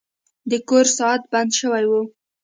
د کور ساعت بند شوی و.